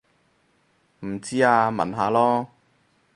唔知啊問下囉